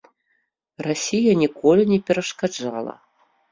Расія ніколі не перашкаджала.